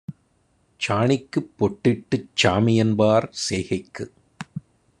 சாணிக்குப் பொட்டிட்டுச் சாமிஎன்பார் செய்கைக்கு